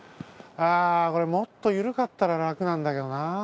ああこれもっとゆるかったららくなんだけどな。